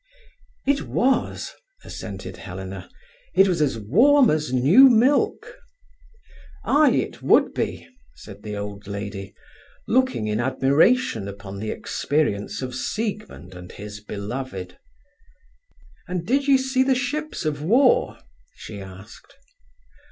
"It was," assented Helena. "It was as warm as new milk." "Ay, it would be," said the old lady, looking in admiration upon the experience of Siegmund and his beloved. "And did ye see the ships of war?" she asked.